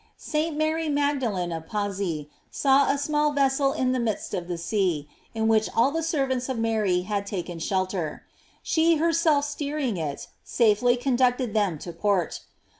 § St. Mary Magdalen of Pazzi saw a small vessel in the midst of the sea, in which all the servants of Mary had taken shelter; she herself steering it, safely conducted them to port.